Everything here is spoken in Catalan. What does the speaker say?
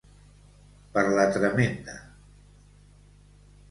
Per la tremenda.